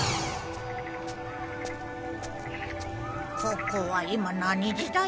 ここは今何時代じゃ？